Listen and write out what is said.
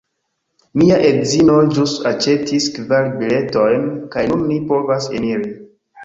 Mia edzino ĵus aĉetis kvar biletojn kaj nun ni povas eniri